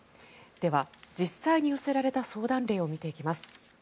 では、実際に寄せられた相談例を見ていきます。